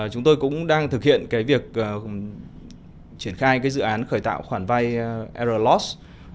chúng tôi cũng đang thực hiện cái việc triển khai cái dự án khởi tạo khoản vai error loss